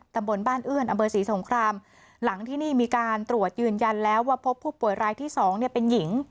ตำบลบ้านเอื้อนอำเภอศรีสงครามหลังที่นี่มีการตรวจยืนยันแล้วว่าพบผู้ป่วยรายที่สองเนี่ยเป็นหญิง